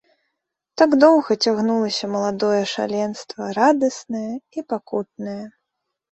Так доўга цягнулася маладое шаленства, радаснае і пакутнае.